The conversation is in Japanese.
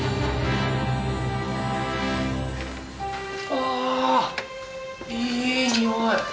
あいい匂い。